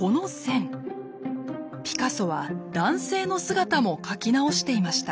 ピカソは男性の姿も描き直していました。